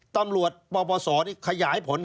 ตำรวจป่อเบาสอนี่ขยายผล